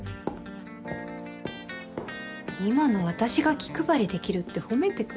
今の私が気配りできるって褒めてくれた？